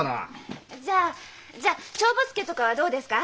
じゃあじゃあ帳簿つけとかはどうですか？